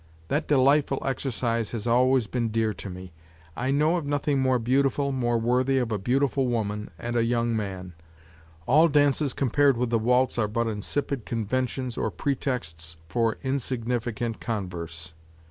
That delightful exercise has always been dear to me; I know of nothing more beautiful, more worthy of a beautiful woman and a young man; all dances compared with the waltz are but insipid conventions or pretexts for insignificant converse.